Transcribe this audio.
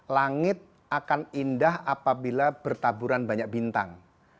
langit akan indah apabila bertaburan banyak bintang